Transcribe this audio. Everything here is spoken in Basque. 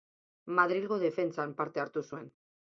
Madrilgo defentsan parte hartu zuen.